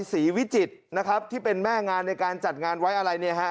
วิจิตรนะครับที่เป็นแม่งานในการจัดงานไว้อะไรเนี่ยฮะ